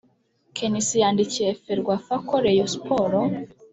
knc yandikiye ferwafa ko rayon sports